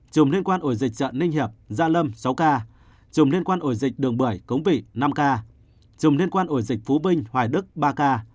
chùm liên quan ổ dịch trận ninh hiệp gia lâm sáu ca chùm liên quan ổ dịch đường bưởi cống vị năm ca chùm liên quan ổ dịch phú binh hoài đức ba ca